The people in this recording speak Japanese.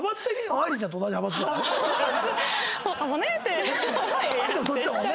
愛理ちゃんもそっちだもんね。